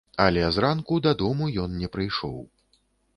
Але зранку дадому ён не прыйшоў.